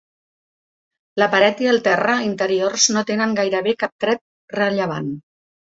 La paret i el terra interiors no tenen gairebé cap tret rellevant.